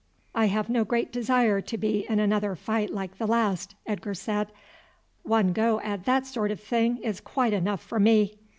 "I have no great desire to be in another fight like the last," Edgar said. "One go at that sort of thing is quite enough for me."